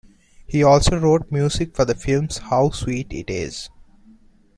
He also wrote music for the films How Sweet It Is!